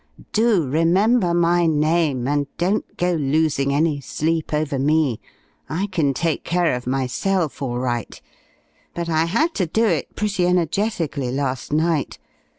Do remember my name and don't go losing any sleep over me. I can take care of myself, all right. But I had to do it pretty energetically last night.